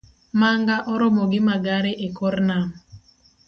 Manga oromo gi magare ekor nam